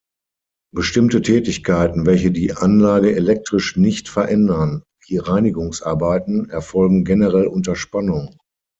Bestimmte Tätigkeiten, welche die Anlage elektrisch nicht verändern, wie Reinigungsarbeiten, erfolgen generell unter Spannung.